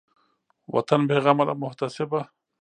وطن بېغمه له محتسبه